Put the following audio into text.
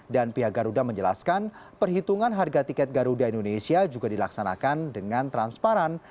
dan pihak garuda menjelaskan perhitungan harga tiket garuda indonesia juga dilaksanakan dengan transparan